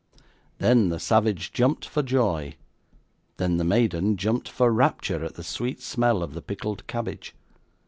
Then the savage jumped for joy; then the maiden jumped for rapture at the sweet smell of the pickled cabbage.